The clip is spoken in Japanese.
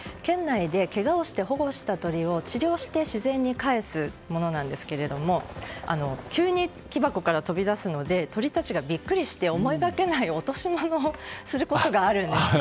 けがをして保護した鳥を治療して自然に返すものなんですけど急に木箱から飛び出すので鳥たちがビックリして思いがけない落とし物をすることがあるんです。